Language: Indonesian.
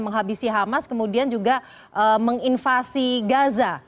menghabisi hamas kemudian juga menginvasi gaza